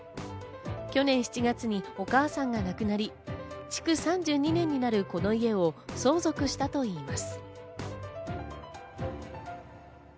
去年７月にお母さんが亡くなり、築３２年になるこの家を相続したといいます。